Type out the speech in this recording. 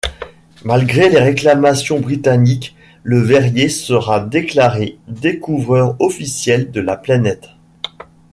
Malgré les réclamations britanniques, Le Verrier sera déclaré découvreur officiel de la planète.